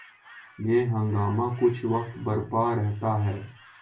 یہ ہنگامہ کچھ وقت برپا رہتا ہے۔